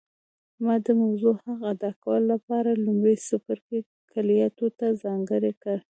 ما د موضوع حق ادا کولو لپاره لومړی څپرکی کلیاتو ته ځانګړی کړ